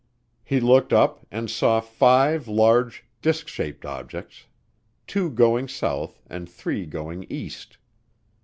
He looked up and saw five large disk shaped objects, two going south and three going east.